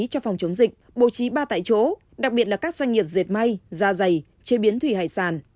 cho phòng chống dịch bố trí ba tại chỗ đặc biệt là các doanh nghiệp dệt may da dày chế biến thủy hải sản